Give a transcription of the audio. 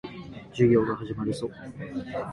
授業が始まるぞ。